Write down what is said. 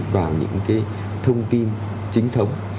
vào những cái thông tin chính thống